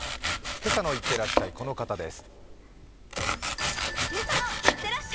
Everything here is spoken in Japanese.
「今朝のいってらっしゃい」、この方です。